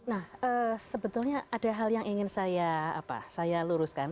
nah sebetulnya ada hal yang ingin saya luruskan